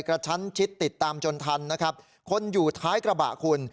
กระชั้นชิดติดตามจนทันนะครับคนอยู่ท้ายกระบะคุณ